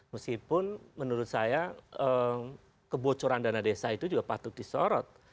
meskipun menurut saya kebocoran dana desa itu juga patut disorot